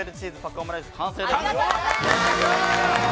オムライス完成です。